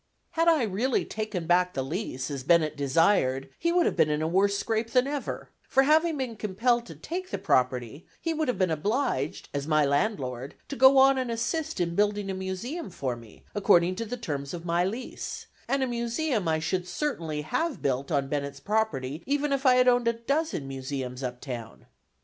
Had I really taken back the lease as Bennett desired, he would have been in a worse scrape than ever; for having been compelled to take the property, he would have been obliged, as my landlord, to go on and assist in building a Museum for me according to the terms of my lease, and a Museum I should certainly have built on Bennett's property, even if I had owned a dozen Museums up town.